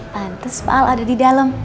pantes pak al ada di dalam